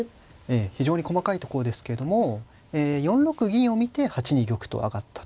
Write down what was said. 非常に細かいところですけども４六銀を見て８二玉と上がったという。